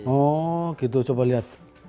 oh gitu coba lihat